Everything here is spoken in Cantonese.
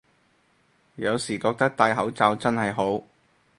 有時覺得戴口罩真係好